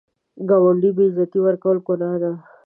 ګاونډي ته بې عزتي ورکول ګناه ده